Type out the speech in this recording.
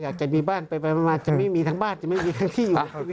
อยากจะมีบ้านไปมาจะไม่มีทั้งบ้านจะไม่มีทั้งที่อยู่